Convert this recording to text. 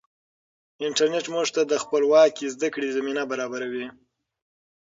انټرنیټ موږ ته د خپلواکې زده کړې زمینه برابروي.